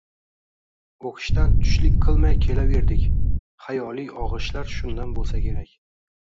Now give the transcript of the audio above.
O`qishdan tushlik qilmay kelaverdik, xayoliy og`ishlar shundan bo`lsa kerak